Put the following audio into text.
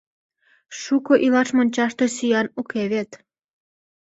Шуко илаш мончаште сӱан уке вет...